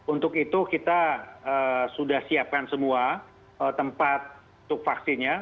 untuk itu kita sudah siapkan semua tempat untuk vaksinnya